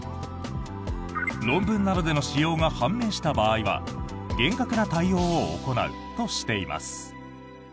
論文などでの使用が判明した場合は厳格な対応を行うとしています。